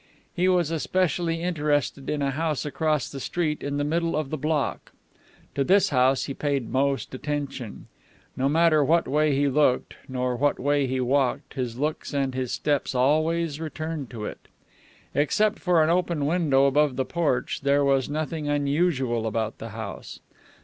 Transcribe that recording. He was especially interested in a house across the street in the middle of the block. To this house he paid most attention. No matter what way he looked, nor what way he walked, his looks and his steps always returned to it. Except for an open window above the porch, there was nothing unusual about the house.